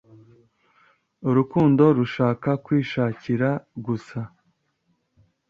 Urukundo rushaka kwishakira gusa